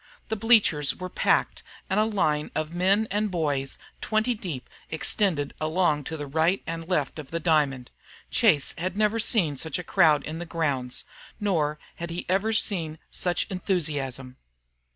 The bleachers were packed, and a line of men and boys, twenty deep, extended along to the right and left of the diamond. Chase had never seen such a crowd in the grounds. Nor had he ever seen such enthusiasm.